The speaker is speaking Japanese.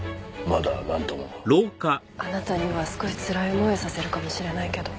まだなんとも。あなたには少しつらい思いをさせるかもしれないけど。